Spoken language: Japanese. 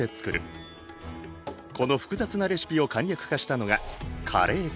この複雑なレシピを簡略化したのがカレー粉。